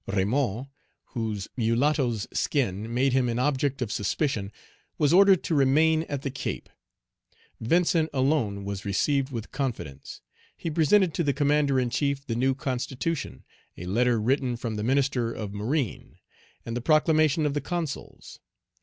Raymond, whose mulatto's skin made him an object of suspicion, was ordered to remain at the Cape. Vincent alone was received with confidence. He presented to the Commander in chief the new Constitution, a letter written from the Minister of Marine, and the proclamation of the Consuls.